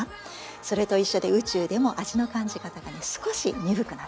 それと一緒で宇宙でも味の感じ方が少し鈍くなっちゃうんです。